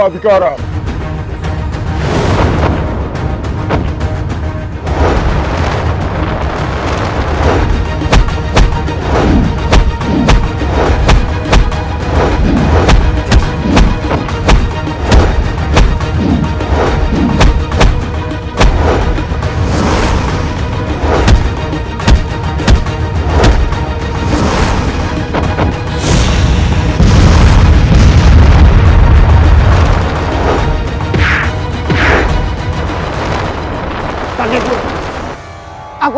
kusira itu tidak apa apa